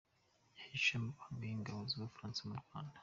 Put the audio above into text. Yahishuye amabanga y’ingabo z’u Bufaransa mu Rwanda.